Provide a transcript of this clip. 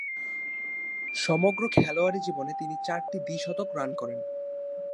সমগ্র খেলোয়াড়ী জীবনে তিনি চারটি দ্বি-শতক রান করেন।